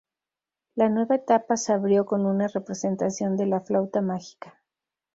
La nueva etapa se abrió con una representación de "La flauta mágica".